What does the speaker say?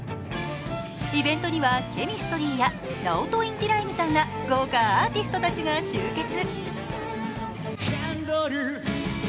イベントにはＣＨＥＭＩＳＴＲＹやナオト・インティライミさんら豪華アーティストたちが集結。